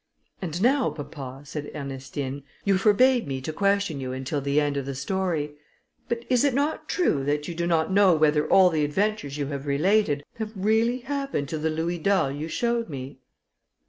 "And now, papa," said Ernestine, "you forbade me to question you until the end of the story; but is it not true, that you do not know whether all the adventures you have related, have really happened to the louis d'or you showed me?"